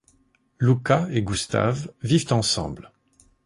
Luca et Gustav vivent ensemble.